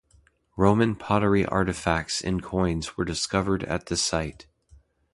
Roman pottery artefacts and coins were discovered at the site.